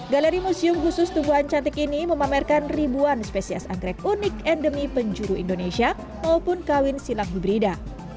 galeri museum khusus tubuhan cantik ini memamerkan ribuan spesies anggrek unik endemi penjuru indonesia maupun kawin silang hibrida